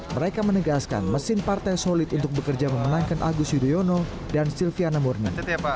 mereka menegaskan mesin partai solid untuk bekerja memenangkan agus yudhoyono dan silviana murni